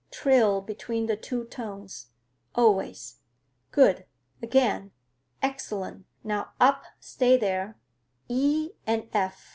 —Trill between the two tones, always; good! Again; excellent!—Now up,—stay there. E and F.